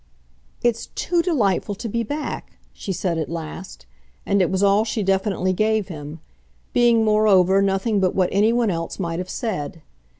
"It's too delightful to be back!" she said at last; and it was all she definitely gave him being moreover nothing but what anyone else might have said.